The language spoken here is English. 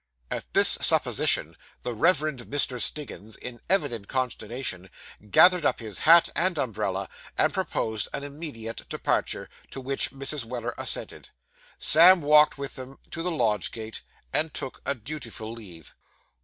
At this supposition, the Reverend Mr. Stiggins, in evident consternation, gathered up his hat and umbrella, and proposed an immediate departure, to which Mrs. Weller assented. Sam walked with them to the lodge gate, and took a dutiful leave.